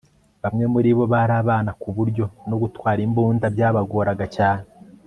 bamwe muri zo bari abana ku buryo no gutwara imbunda byabagoraga cyane